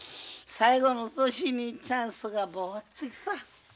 最後の年にチャンスが回ってきた。